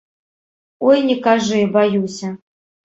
Ой, не кажы, баюся.